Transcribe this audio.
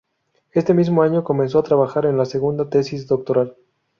Este mismo año comenzó a trabajar en su segunda tesis doctoral.